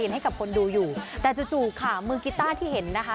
ให้กับคนดูอยู่แต่จู่จู่ค่ะมือกีต้าที่เห็นนะคะ